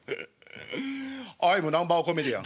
アイムナンバーワンコメディアン。